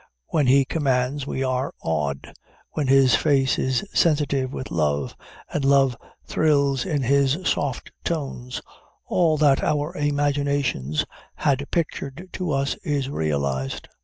When he commands, we are awed; when his face is sensitive with love and love thrills in his soft tones, all that our imaginations had pictured to us is realized.